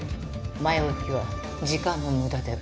前置きは時間の無駄では？